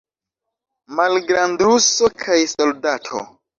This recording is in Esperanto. Malgrandruso kaj soldato.